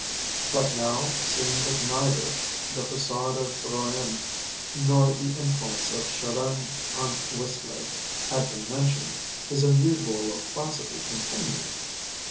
But now, seeing that neither the façade of Rouen, nor the influence of Chardin on Whistler, had been mentioned, his unusual loquacity continued.